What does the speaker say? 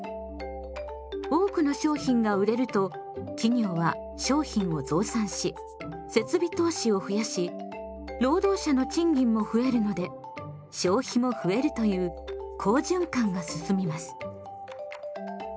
多くの商品が売れると企業は商品を増産し設備投資を増やし労働者の賃金も増えるので消費も増えるという好循環が進みます。